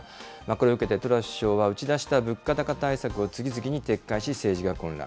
これを受けて、トラス首相は打ち出した物価高対策を次々に撤回し政治が混乱。